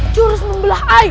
jurus membelah air